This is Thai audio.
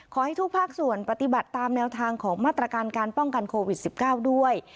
ขอให้ทุกภาคส่วนปฏิบัติตามแนวทางของมาตรการการป้องกันโควิด๑๙ด้วย